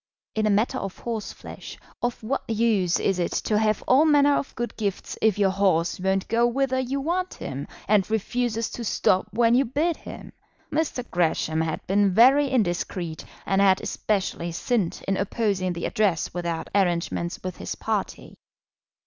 In a matter of horseflesh of what use is it to have all manner of good gifts if your horse won't go whither you want him, and refuses to stop when you bid him? Mr. Gresham had been very indiscreet, and had especially sinned in opposing the Address without arrangements with his party.